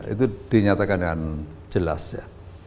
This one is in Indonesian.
itu dinyatakan dengan jelas ya